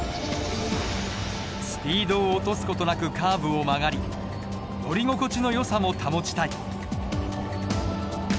スピードを落とす事なくカーブを曲がり乗り心地のよさも保ちたい。